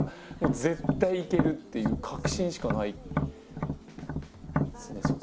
もう「絶対いける」っていう確信しかないですね。